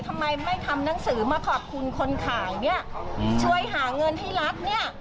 ทำไมไม่ทำหนังสือมาขอบคุณคนขายเนี่ยช่วยหาเงินให้รัฐเนี่ย